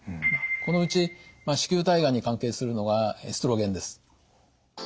このうち子宮体がんに関係するのはエストロゲンです。